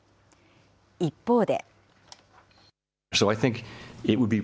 一方で。